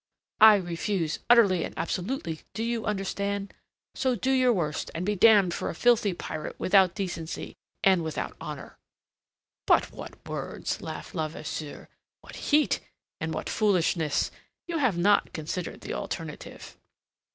"I refuse utterly and absolutely, do you understand? So do your worst, and be damned for a filthy pirate without decency and without honour." "But what words!" laughed Levasseur. "What heat and what foolishness! You have not considered the alternative.